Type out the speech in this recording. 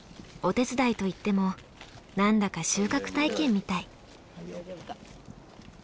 お手伝いといっても何だか収穫体験みたい。